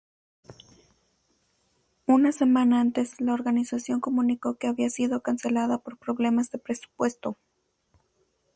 Una semana antes, la organización comunicó que había sido cancelada por problemas de presupuesto.